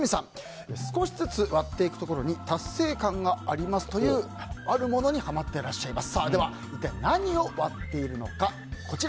少しずつ割っていくところに達成感がありますというあるものにハマってらっしゃいます。